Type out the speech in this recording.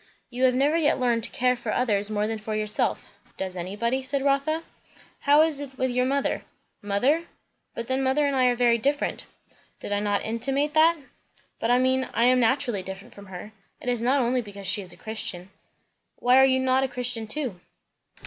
"You have never yet learned to care for others more than for yourself." "Does anybody?" said Rotha. "How is it with your mother?" "Mother? But then, mother and I are very different" "Did I not intimate that?" "But I mean I am naturally different from her. It is not only because she is a Christian." "Why are you not a Christian too?"